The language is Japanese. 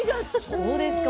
どうですか？